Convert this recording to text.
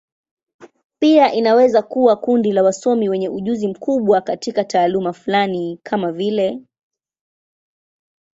Pia inaweza kuwa kundi la wasomi wenye ujuzi mkubwa katika taaluma fulani, kama vile.